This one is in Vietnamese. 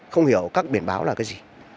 không hiểu các biển báo là cái gì